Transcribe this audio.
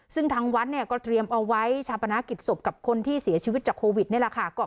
ซึ่งทางวัดเนี่ยก็เตรียมเอาไว้ชาปนากิจศพกับคนที่เสียชีวิตจากโควิดนี่แหละค่ะ